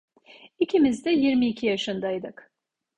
İkimiz de yirmi iki yaşındaydık.